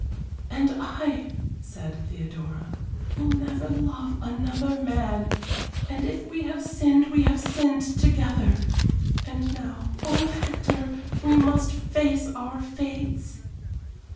"And I," said Theodora, "will never love another man and if we have sinned we have sinned together and now, oh, Hector, we must face our fates."